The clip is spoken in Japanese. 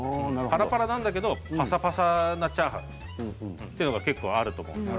パラパラなんだけどパサパサなチャーハンというのが結構あると思うんです。